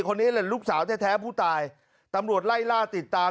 คนนี้แหละลูกสาวแท้ผู้ตายตำรวจไล่ล่าติดตาม